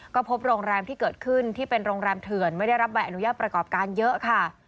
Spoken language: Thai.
ก็พบโรงแรมที่เกิดขึ้นที่เป็นโรงแรมเถื่อนไม่ได้รับใบอนุญาตประกอบการเยอะค่ะ